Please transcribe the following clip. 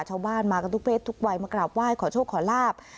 ชาวบ้านมากันทุกเพศทุกวัยมากราบไหว้ขอโชคขอลาบ